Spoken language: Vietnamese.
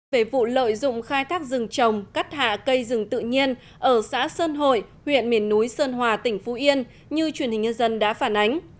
về vụ lợi dụng khai thác rừng trồng cắt hạ cây rừng tự nhiên ở xã sơn hội huyện miền núi sơn hòa tỉnh phú yên như truyền hình nhân dân đã phản ánh